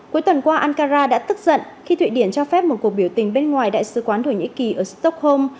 cuối tuần qua ankara đã tức giận khi thụy điển cho phép một cuộc biểu tình bên ngoài đại sứ quán thổ nhĩ kỳ ở stockholm